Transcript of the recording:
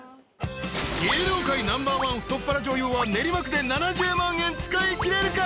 ［芸能界ナンバーワン太っ腹女優は練馬区で７０万円使いきれるか？］